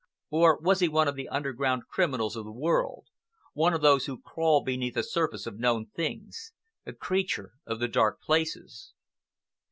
Or was he one of the underground criminals of the world, one of those who crawl beneath the surface of known things—a creature of the dark places?